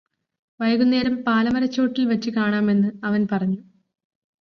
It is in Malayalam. വൈകുന്നേരം പാലമരച്ചോട്ടില് വച്ച് കാണാമെന്ന് അവന് പറഞ്ഞു